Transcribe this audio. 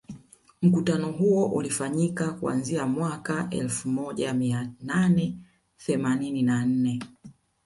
Mkutano huo ulifanyika kuanzia mwaka elfu moja mia nane themanini na nne